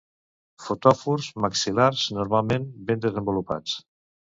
Fotòfors maxil·lars normalment ben desenvolupats.